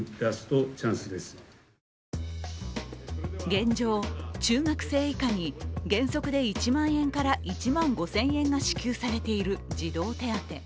現状、中学生以下に原則で１万円から１万５０００円が支給されている児童手当。